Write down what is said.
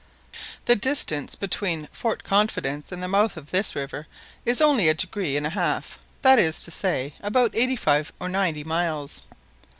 The distance between Fort Confidence and the mouth of this river is only a degree and a half that is to say, about eighty five or ninety miles.